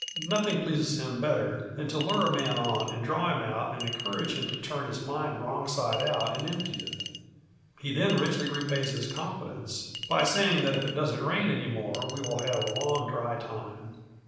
Nothing pleases him better than to lure a man on and draw him out and encourage him to turn his mind wrong side out and empty it. He then richly repays this confidence by saying that if it doesn't rain any more we will have a long dry time.